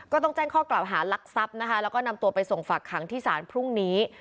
ต้องแจ้งข้อกล่าวหารักทรัพย์นะคะแล้วก็นำตัวไปส่งฝากขังที่ศาลพรุ่งนี้